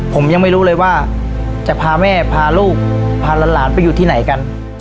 ผมยังไม่รู้เลยว่าจะพาแม่พาลูกพาหลานไปอยู่ที่ไหนกัน